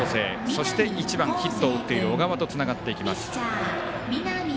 そして１番、ヒットを打っている小川へとつながっていきます。